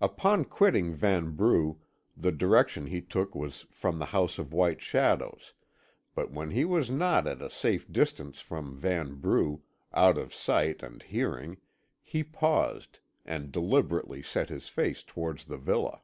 Upon quitting Vanbrugh, the direction he took was from the House of White Shadows, but when he was at a safe distance from Vanbrugh, out of sight and hearing, he paused, and deliberately set his face towards the villa.